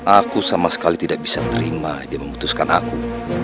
aku sama sekali tidak bisa terima dia memutuskan aku